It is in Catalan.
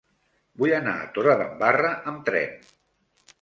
Vull anar a Torredembarra amb tren.